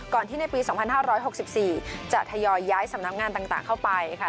ที่ในปี๒๕๖๔จะทยอยย้ายสำนักงานต่างเข้าไปค่ะ